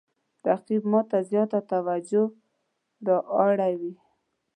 رقیب ما ته زیاته توجه را اړوي